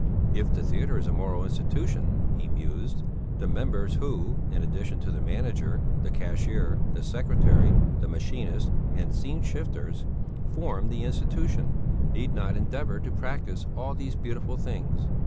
"If the theatre is a moral institution," he mused, "the members who in addition to the manager, the cashier, the secretary, the machinists, and scene shifters form the institution, need not endeavour to practise all these beautiful things.